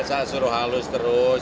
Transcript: masa suruh halus terus